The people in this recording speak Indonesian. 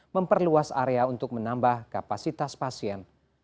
memperluas area untuk menambah kapasitas pasien